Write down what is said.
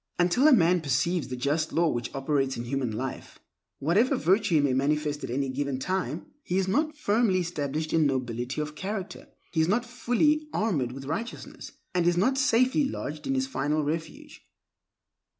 Until a man perceives the just law which operates in human life, whatever virtue he may manifest at any given time, he is not firmly established in nobility of character, he is not fully armored with righteousness, and is not safely lodged in his final refuge.